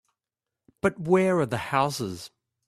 But where are the houses?